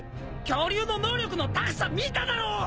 恐竜の能力のタフさ見ただろ！？